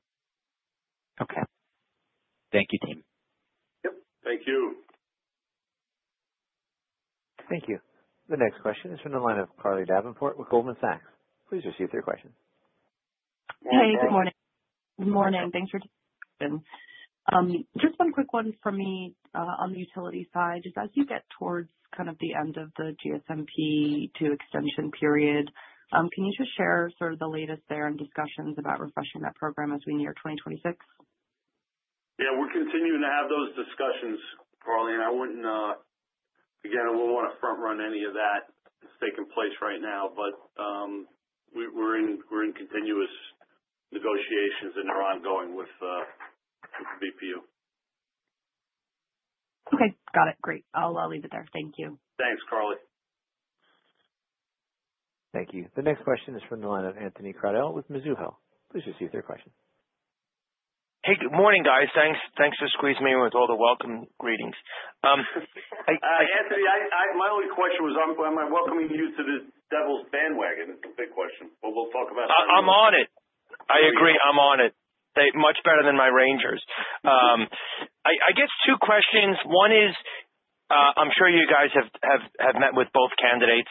S11: Okay. Thank you, team.
S3: Yep. Thank you.
S1: Thank you. The next question is from the line of Carly Davenport with Goldman Sachs. Please proceed with your question.
S12: Hi. Good morning. Good morning. Thanks for joining. Just one quick one from me on the utility side. Just as you get towards kind of the end of the GSMP II extension period, can you just share sort of the latest there and discussions about refreshing that program as we near 2026?
S3: Yeah. We're continuing to have those discussions, Carly. And I wouldn't again, I won't want to front-run any of that that's taking place right now. But we're in continuous negotiations, and they're ongoing with the BPU.
S12: Okay. Got it. Great. I'll leave it there. Thank you.
S3: Thanks, Carly.
S1: Thank you. The next question is from the line of Anthony Crowdell with Mizuho. Please proceed with your question.
S13: Hey, good morning, guys. Thanks for squeezing me in with all the welcome greetings.
S3: Hey, Anthony, my only question was, am I welcoming you to the Devils' bandwagon? It's a big question. But we'll talk about that.
S13: I'm on it. I agree. I'm on it. Much better than my Rangers. I guess two questions. One is, I'm sure you guys have met with both candidates.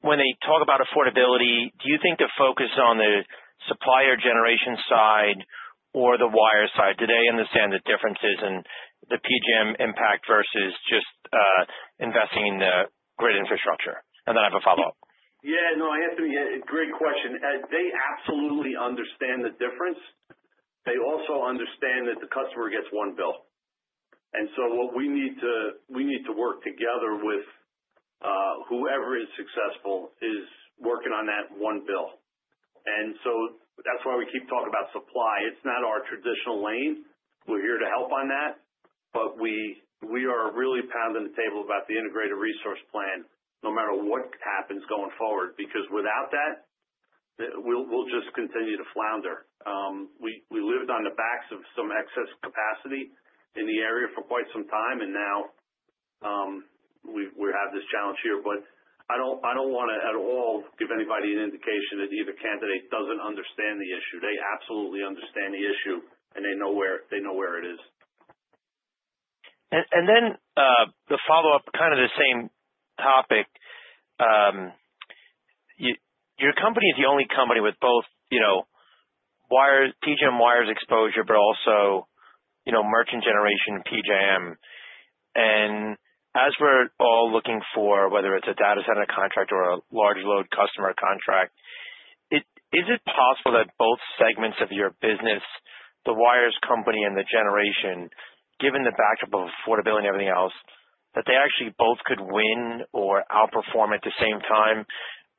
S13: When they talk about affordability, do you think the focus is on the supplier or generation side or the wire side? Do they understand the differences in the PJM impact versus just investing in the grid infrastructure? And then I have a follow-up.
S3: Yeah. No, Anthony, great question. They absolutely understand the difference. They also understand that the customer gets one bill. And so what we need to work together with whoever is successful is working on that one bill. And so that's why we keep talking about supply. It's not our traditional lane. We're here to help on that. But we are really pounding the table about the integrated resource plan no matter what happens going forward. Because without that, we'll just continue to flounder. We lived on the backs of some excess capacity in the area for quite some time. And now we have this challenge here. But I don't want to at all give anybody an indication that either candidate doesn't understand the issue. They absolutely understand the issue, and they know where it is.
S13: And then the follow-up, kind of the same topic. Your company is the only company with both PJM wires exposure, but also merchant generation PJM. And as we're all looking for whether it's a data center contract or a large load customer contract, is it possible that both segments of your business, the wires company and the generation, given the backdrop of affordability and everything else, that they actually both could win or outperform at the same time?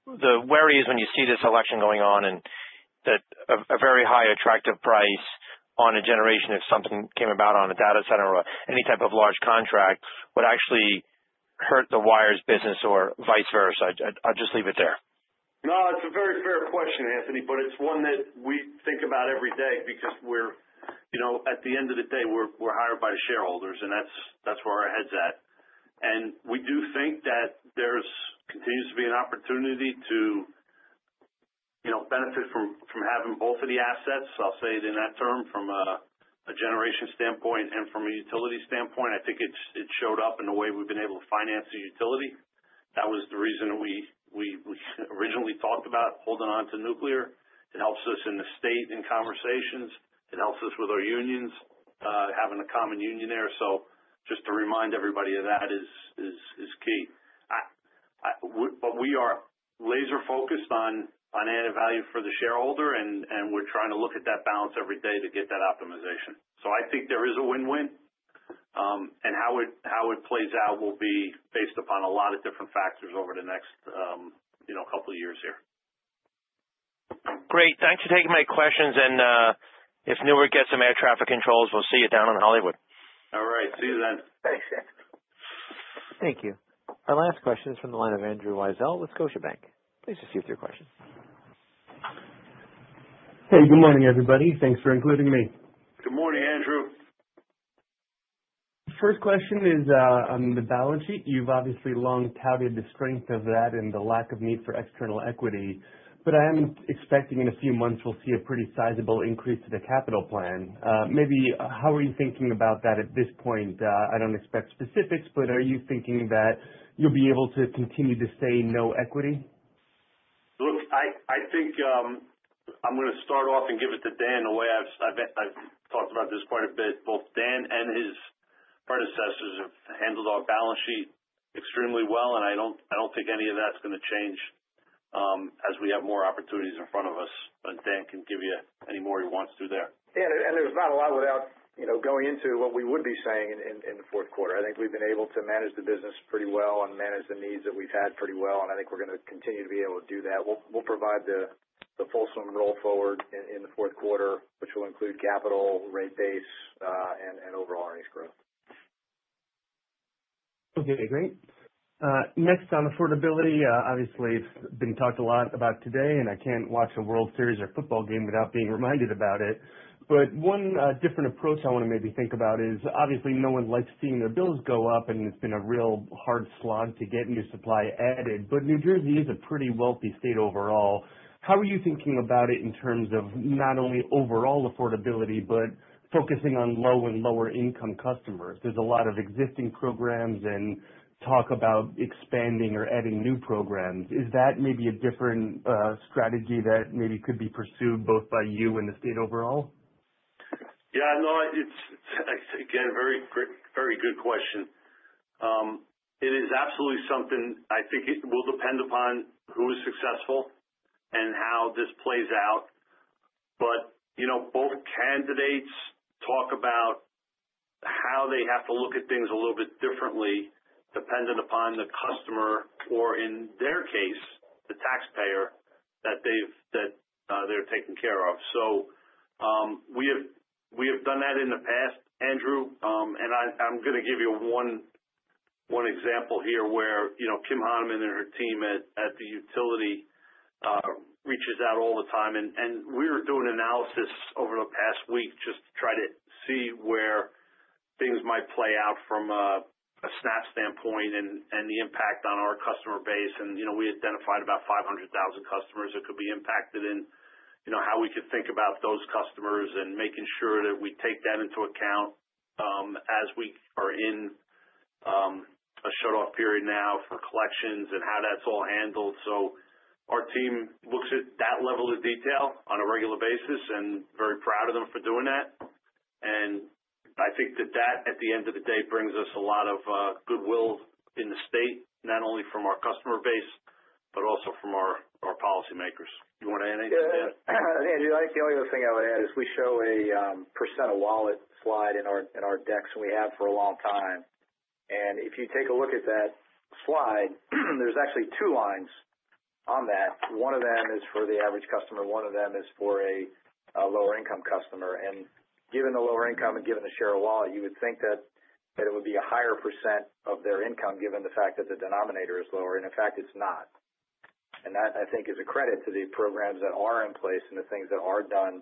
S13: The worry is when you see this election going on and a very high attractive price on a generation, if something came about on a data center or any type of large contract, would actually hurt the wires business or vice versa. I'll just leave it there.
S3: No, it's a very fair question, Anthony. But it's one that we think about every day because at the end of the day, we're hired by the shareholders, and that's where our head's at. And we do think that there continues to be an opportunity to benefit from having both of the assets. I'll say it in that term, from a generation standpoint and from a utility standpoint. I think it showed up in the way we've been able to finance the utility. That was the reason we originally talked about holding on to nuclear. It helps us in the state in conversations. It helps us with our unions, having a common union there. So just to remind everybody of that is key. But we are laser-focused on added value for the shareholder, and we're trying to look at that balance every day to get that optimization. So I think there is a win-win. And how it plays out will be based upon a lot of different factors over the next couple of years here.
S13: Great. Thanks for taking my questions. And if Newark gets some air traffic controls, we'll see you down in Hollywood.
S3: All right. See you then.
S4: Thanks, Anthony.
S1: Thank you. Our last question is from the line of Andrew Weisel with Scotiabank. Please proceed with your question.
S14: Hey, good morning, everybody. Thanks for including me.
S3: Good morning, Andrew.
S14: First question is on the balance sheet. You've obviously long touted the strength of that and the lack of need for external equity. But I am expecting in a few months, we'll see a pretty sizable increase to the capital plan. Maybe how are you thinking about that at this point? I don't expect specifics, but are you thinking that you'll be able to continue to say no equity?
S3: Look, I think I'm going to start off and give it to Dan the way I've talked about this quite a bit. Both Dan and his predecessors have handled our balance sheet extremely well. And I don't think any of that's going to change as we have more opportunities in front of us. But Dan can give you any more he wants through there.
S4: Yeah. And there's not a lot without going into what we would be saying in the fourth quarter. I think we've been able to manage the business pretty well and manage the needs that we've had pretty well. And I think we're going to continue to be able to do that. We'll provide the fulsome roll forward in the fourth quarter, which will include capital, rate base, and overall earnings growth.
S14: Okay. Great. Next on affordability, obviously, it's been talked a lot about today. And I can't watch a World Series or football game without being reminded about it. But one different approach I want to maybe think about is, obviously, no one likes seeing their bills go up. And it's been a real hard slog to get new supply added. But New Jersey is a pretty wealthy state overall. How are you thinking about it in terms of not only overall affordability, but focusing on low and lower-income customers? There's a lot of existing programs and talk about expanding or adding new programs. Is that maybe a different strategy that maybe could be pursued both by you and the state overall?
S3: Yeah. No, it's again a very good question. It is absolutely something I think it will depend upon who is successful and how this plays out, but both candidates talk about how they have to look at things a little bit differently depending upon the customer or, in their case, the taxpayer that they're taking care of. We have done that in the past, Andrew. I'm going to give you one example here where Kim Hanemann and her team at the utility reaches out all the time, and we were doing analysis over the past week just to try to see where things might play out from a SNAP standpoint and the impact on our customer base. We identified about 500,000 customers that could be impacted in how we could think about those customers and making sure that we take that into account as we are in a shutoff period now for collections and how that's all handled. So our team looks at that level of detail on a regular basis and very proud of them for doing that. I think that that, at the end of the day, brings us a lot of goodwill in the state, not only from our customer base, but also from our policymakers. You want to add anything to that? Yeah. The only other thing I would add is we show a percent of wallet slide in our decks we have for a long time. And if you take a look at that slide, there's actually two lines on that. One of them is for the average customer. One of them is for a lower-income customer. And given the lower income and given the share of wallet, you would think that it would be a higher percent of their income given the fact that the denominator is lower. And in fact, it's not. And that, I think, is a credit to the programs that are in place and the things that are done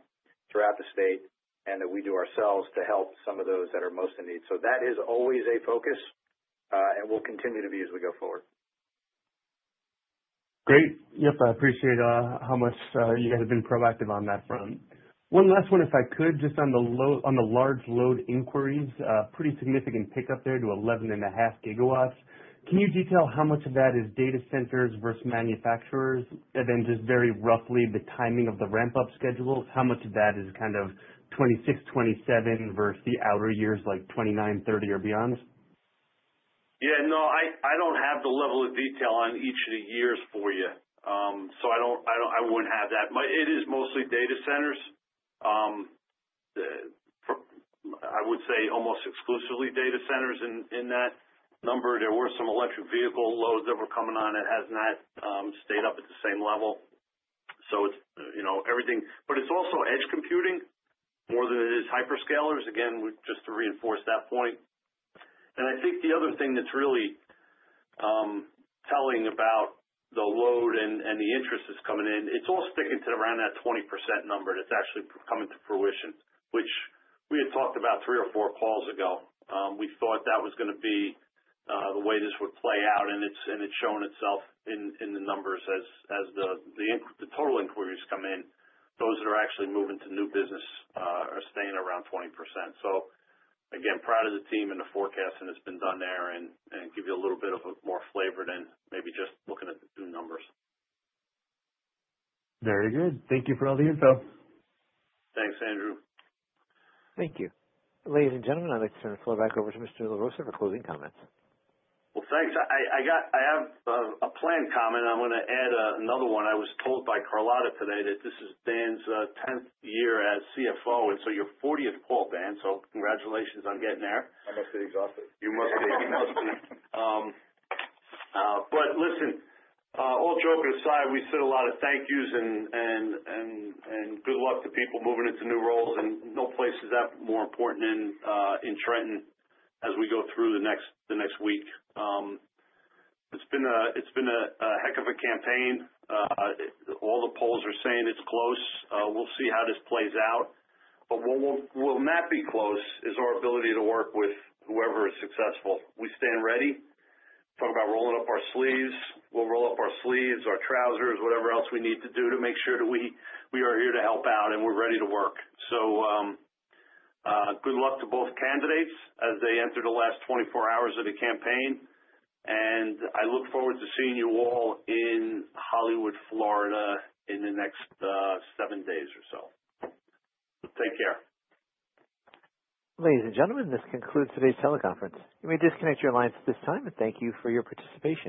S3: throughout the state and that we do ourselves to help some of those that are most in need. So that is always a focus and will continue to be as we go forward.
S14: Great. Yep. I appreciate how much you guys have been proactive on that front. One last one, if I could, just on the large load inquiries, pretty significant pickup there to 11.5 GW. Can you detail how much of that is data centers versus manufacturers? And then just very roughly, the timing of the ramp-up schedules, how much of that is kind of 2026, 2027 versus the outer years like 2029, 2030, or beyond?
S3: Yeah. No, I don't have the level of detail on each of the years for you. So I wouldn't have that. It is mostly data centers. I would say almost exclusively data centers in that number. There were some electric vehicle loads that were coming on. It has not stayed up at the same level. So it's everything. But it's also edge computing more than it is hyperscalers, again, just to reinforce that point. And I think the other thing that's really telling about the load and the interest that's coming in, it's all sticking to around that 20% number that's actually coming to fruition, which we had talked about three or four calls ago. We thought that was going to be the way this would play out. And it's shown itself in the numbers as the total inquiries come in. Those that are actually moving to new business are staying around 20%. So again, proud of the team and the forecast that has been done there and give you a little bit of a more flavor than maybe just looking at the two numbers.
S14: Very good. Thank you for all the info.
S3: Thanks, Andrew.
S1: Thank you. Ladies and gentlemen, I'd like to turn the floor back over to Mr. LaRossa for closing comments.
S3: Thanks. I have a planned comment. I'm going to add another one. I was told by Carlotta today that this is Dan's 10th year as CFO, so your 40th call, Dan. Congratulations on getting there.
S4: I must be exhausted.
S3: You must be. But listen, all joking aside, we said a lot of thank yous and good luck to people moving into new roles. And no place is that more important in Trenton as we go through the next week. It's been a heck of a campaign. All the polls are saying it's close. We'll see how this plays out. But what will not be close is our ability to work with whoever is successful. We stand ready. Talk about rolling up our sleeves. We'll roll up our sleeves, our trousers, whatever else we need to do to make sure that we are here to help out. And we're ready to work. So good luck to both candidates as they enter the last 24 hours of the campaign. And I look forward to seeing you all in Hollywood, Florida in the next seven days or so.
S4: Take care.
S1: Ladies and gentlemen, this concludes today's teleconference. You may disconnect your lines at this time, and thank you for your participation.